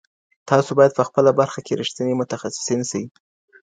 تاسو باید په خپله برخه کې رښتیني متخصصین سئ.